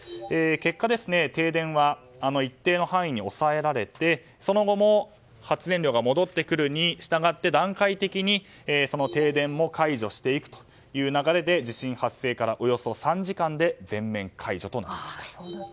結果、停電は一定の範囲に抑えられてその後も発電量が戻ってくるにしたがって段階的に停電も解除していくという流れで地震発生からおよそ３時間で全面解除となりました。